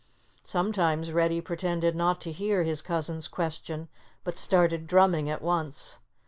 Sometimes Reddy pretended not to hear his cousin's question, but started drumming at once.